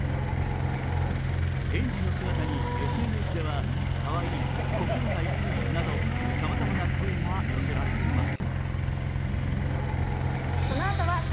園児の姿にＳＮＳでは、かわいい、心が痛いなどさまざまな声が寄せられています。